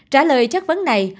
trả lời chắc vấn này